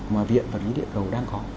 mà viện vật lý địa cầu đang có